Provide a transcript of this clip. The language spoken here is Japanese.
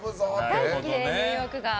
大好きで、ニューヨークが。